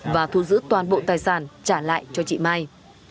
và thu giữ toàn bộ tài sản trả lại cho chị mai